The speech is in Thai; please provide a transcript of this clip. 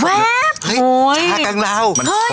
เฮ้ยชากังลาวมันขนลุก